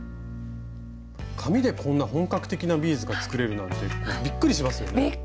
紙でこんな本格的なビーズが作れるなんてびっくりしますよね。